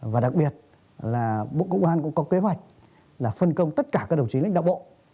và đặc biệt là bộ công an cũng có kế hoạch là phân công tất cả các đồng chí lãnh đạo bộ